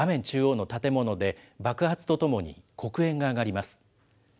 中央の建物で爆発とともに黒煙が上がります。